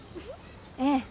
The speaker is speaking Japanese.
ええ。